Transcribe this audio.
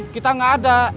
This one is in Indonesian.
kita gak ada